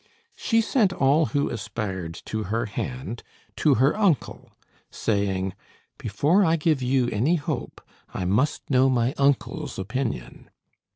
She sent all who aspired to her hand to her uncle, saying: "Before I give you any hope, I must know my uncle's opinion."